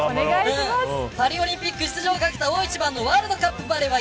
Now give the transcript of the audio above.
パリオリンピック出場懸けた大一番のワールドカップバレーは